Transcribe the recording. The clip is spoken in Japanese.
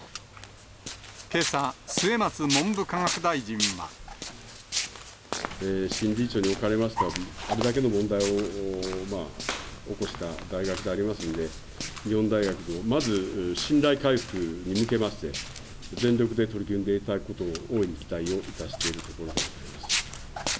けさ、新理事長におかれましては、あれだけの問題を起こした大学でありますので、日本大学のまず信頼回復に向けまして、全力で取り組んでいただくことを、大いに期待をいたしているところでございます。